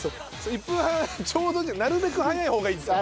１分半ちょうどじゃなるべく早い方がいいんですよ。